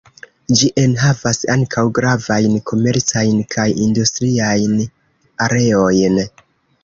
Ĝi enhavas ankaŭ gravajn komercajn kaj industriajn areojn.